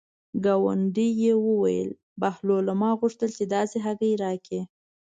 ګاونډي یې وویل: بهلوله ما غوښتل چې داسې هګۍ راکړې.